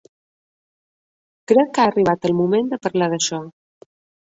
Crec que ha arribat el moment de parlar d'això.